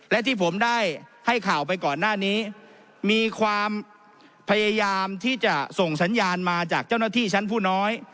และที่ผมได้ให้ข่าวไปก่อนหน้านี้มีความพยายามที่จะส่งสัญญาณมาจากเจ้าหน้าที่ชั้นผู้น้อย